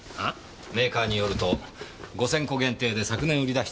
メーカーによると５千個限定で昨年売り出したものだそうです。